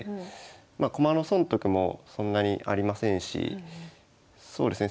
ま駒の損得もそんなにありませんしそうですね